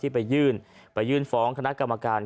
ไปยื่นไปยื่นฟ้องคณะกรรมการ